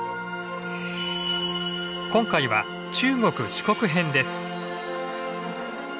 今回は中国四国編です。